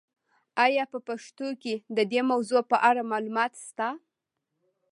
آیا په پښتو کې د دې موضوع په اړه معلومات شته؟